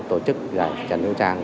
tổ chức trần hữu trang